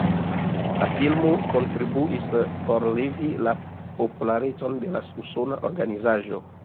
La filmo kontribuis por levi la popularecon de la usona organizaĵo.